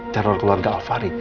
teror keluarga alvari